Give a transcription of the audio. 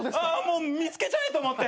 もう見つけちゃえと思って。